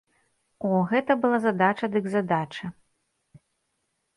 О, гэта была задача дык задача!